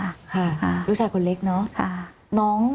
ค่ะลูกชายคนเล็กเนอะ